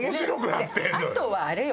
あとはあれよ。